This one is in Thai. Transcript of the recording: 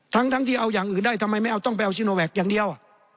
ทั้งที่เอาอย่างอื่นได้ทำไมไม่เอาต้องไปเอาซีโนแวคอย่างเดียว